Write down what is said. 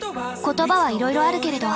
言葉はいろいろあるけれど。